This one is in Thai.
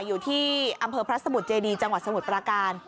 อยู่ที่อำเภอพระสมุทรเจดีจังหวัดสมุทรปราการ